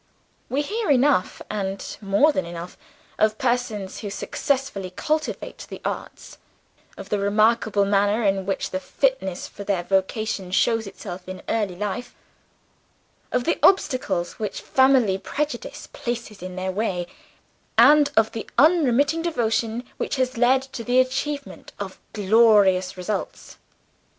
We hear enough, and more than enough, of persons who successfully cultivate the Arts of the remarkable manner in which fitness for their vocation shows itself in early life, of the obstacles which family prejudice places in their way, and of the unremitting devotion which has led to the achievement of glorious results.